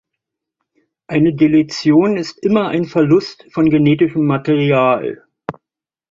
Eine Deletion ist immer ein Verlust von genetischem Material.